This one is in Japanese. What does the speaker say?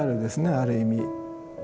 ある意味。